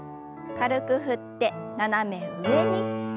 軽く振って斜め上に。